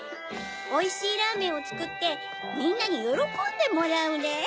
おいしいラーメンをつくってみんなによろこんでもらうネ。